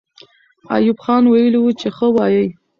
ایوب خان ویلي وو چې ښه وایي.